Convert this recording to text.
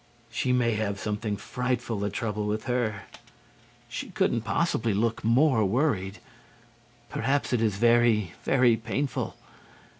She may have something frightful the trouble with her. She couldn't possibly look more worried. Perhaps it is very, very painful.